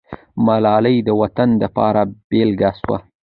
ملالۍ د وطن دپاره بېلګه سوه.